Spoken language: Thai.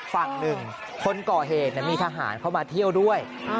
ฝั่งหนึ่งคนก่อเหตุมีทหารเข้ามาเที่ยวด้วย